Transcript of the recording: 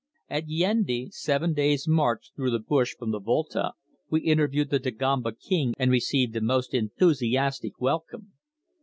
At Yendi, seven days' march through the bush from the Volta, we interviewed the Dagomba king and received a most enthusiastic welcome.